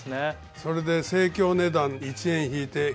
それで生協値段１円引いて９円。